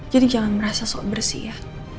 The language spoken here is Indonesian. jadi jangan merasa sok bersih ya